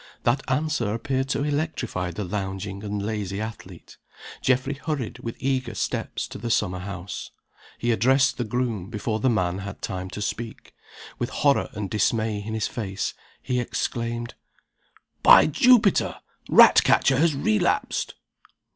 That answer appeared to electrify the lounging and lazy athlete. Geoffrey hurried, with eager steps, to the summer house. He addressed the groom before the man had time to speak With horror and dismay in his face, he exclaimed: "By Jupiter! Ratcatcher has relapsed!"